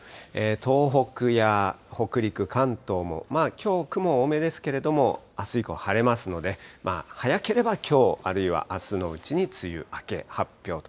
東北や北陸、関東も、きょう、雲多めですけれども、あす以降晴れますので、早ければきょう、あるいはあすのうちに梅雨明け発表と。